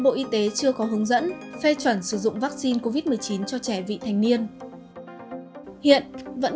bộ y tế chưa có hướng dẫn phê chuẩn sử dụng vaccine covid một mươi chín cho trẻ vị thành niên hiện vẫn